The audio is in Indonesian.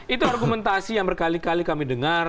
itu argumentasi yang berkali kali kami dengar